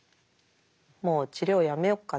「もう治療やめようか」